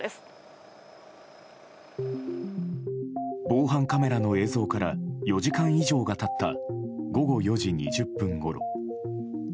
防犯カメラの映像から４時間以上が経った午後４時２０分ごろ。